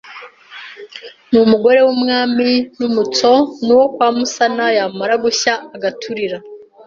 N’umugore w’umwami N’Umutsoe N’uwo kwa Musana Yamara gushya agaturira